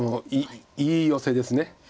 いいヨセです。